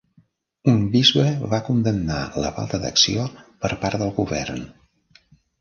Un bisbe va condemnar la falta d'acció per part del Govern.